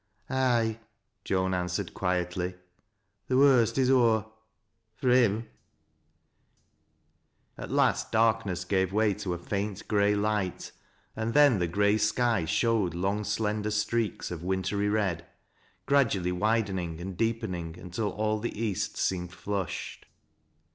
'•' Ay," Joan answered, quietly, " th' worst is ower — f rj him." 244 THAT LABS 0* LOWRIITS. At last darkness gave way to a faint gray light, and then the gray sky showed long slender streaks of wintrj red, gradually widening and deepening until all the east seemed flashed.